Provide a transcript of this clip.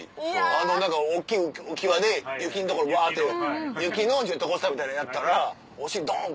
あの何か大っきい浮き輪で雪の所わ！って雪のジェットコースターみたいなのやったらお尻ドン！